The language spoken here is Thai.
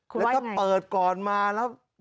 คุณว่าอย่างไร